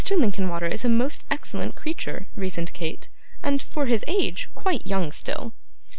Linkinwater is a most excellent creature,' reasoned Kate, 'and, for his age, quite young still.